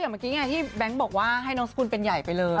พี่แบงก์บอกว่าให้สกุลเป็นใหญ่ไปเลย